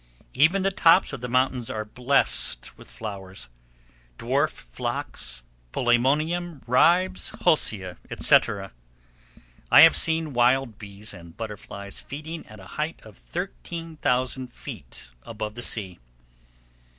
Even the tops of the mountains are blessed with flowers,—dwarf phlox, polemonium, ribes, hulsea, etc. I have seen wild bees and butterflies feeding at a height of 13,000 feet above the sea.